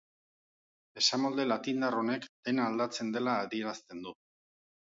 Esamolde latindar honek dena aldatzen dela adierazten du.